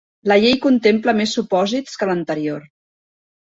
La llei contempla més supòsits que l'anterior